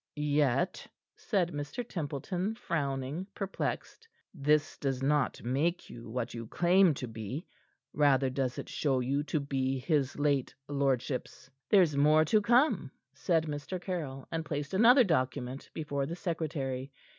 "Yet," said Mr. Templeton, frowning, perplexed, "this does not make you what you claim to be. Rather does it show you to be his late lordship's " "There's more to come," said Mr. Caryll, and placed another document before the secretary.